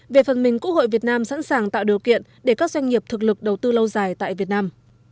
về phần mình quốc hội việt nam sẵn sàng tạo điều kiện để các doanh nghiệp thực lực đầu tư lâu dài tại việt nam